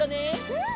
うん！